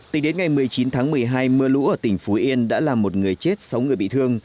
tính đến ngày một mươi chín tháng một mươi hai mưa lũ ở tỉnh phú yên đã làm một người chết sáu người bị thương